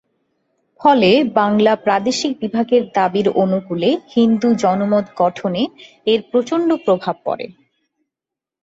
ফলে বাংলা প্রাদেশিক বিভাগের দাবির অনুকূলে হিন্দু জনমত গঠনে এর প্রচন্ড প্রভাব পড়ে।